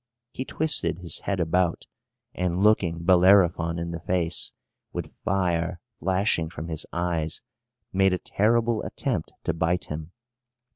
He twisted his head about, and, looking Bellerophon in the face, with fire flashing from his eyes, made a terrible attempt to bite him.